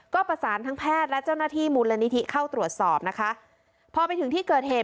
ก็ประสานทั้งแพทย์และเจ้าหน้าที่มูลนิธิเข้าตรวจสอบนะคะพอไปถึงที่เกิดเหตุ